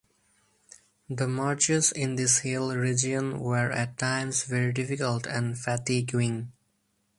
The marches in this hill region were at times very difficult and fatiguing.